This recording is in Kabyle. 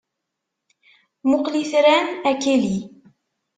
Mmuqqel itran a Kelly!